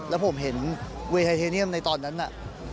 แล้วผมเห็นเวย์ไฮเทเนียมในตอนนั้นน่ะ